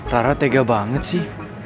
rara tega banget sih